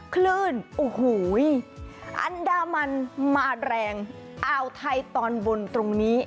คลื่นโอ้โหอันดามันมาแรงอ่าวไทยตอนบนตรงนี้